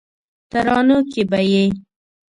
ترانو کې به یې